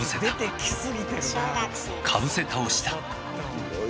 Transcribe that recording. かぶせ倒した。